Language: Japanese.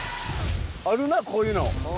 あるなこういうの。